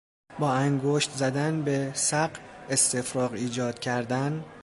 با انگشت زدن به سق استفراغ ایجاد کردن